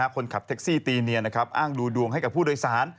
คนขับแท็กซี่ตีเนียนอ้างดูดวงให้กับผู้โดยสาร